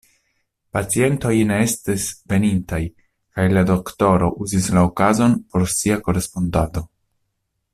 Pacientoj ne estis venintaj kaj la doktoro uzis la okazon por sia korespondado.